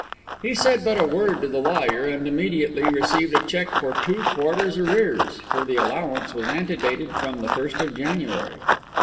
He said but a word to the lawyer, and immediately received a cheque for two quarters' arrears; for the allowance was ante dated from the first of January.